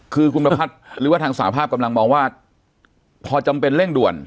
คือคุณประพัฒน์หรือว่าทางสาภาพกำลังมองว่าพอจำเป็นเร่งด่วน